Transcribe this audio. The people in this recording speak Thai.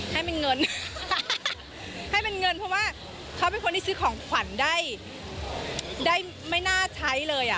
ให้เป็นเงินให้เป็นเงินเพราะว่าเขาเป็นคนที่ซื้อของขวัญได้ได้ไม่น่าใช้เลยอ่ะ